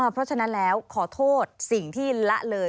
เพราะฉะนั้นแล้วขอโทษสิ่งที่ละเลย